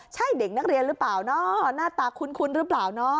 ใช่เด็กนักเรียนหรือเปล่าเนาะหน้าตาคุ้นหรือเปล่าเนาะ